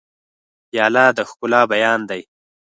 پیاله د ښکلا بیان دی.